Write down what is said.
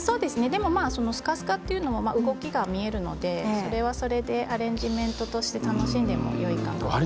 すかすかも動きに見えるのでそれはそれでアレンジメントとして楽しんでもよいかなと思います。